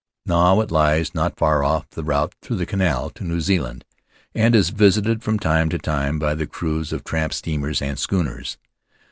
Now it lies not far off the route through the Canal to New Zealand and is visited from time to time by the crews of tramp steamers and schooners.